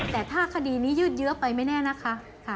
แต่ถ้าคดีนี้ยืดเยอะไปไม่แน่นะคะ